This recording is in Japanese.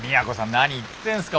何言ってんすか。